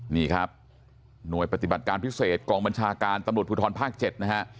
นี่ครับหน่วยปฏิบัติการพิเศษกองบัญชาการตำรวจภูทรภาค๗นะฮะ